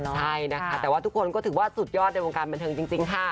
ใช่นะคะแต่ว่าทุกคนก็ถือว่าสุดยอดในวงการบันเทิงจริงค่ะ